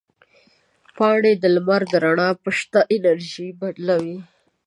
پاڼې د لمر رڼا په شنه انرژي بدلوي.